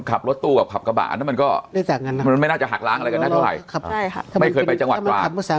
ขับรถตู้กับขับต์กระบะเนาะมันก็ไม่ได้หักล้างอะไรกันนะพี่ตัวน่ะ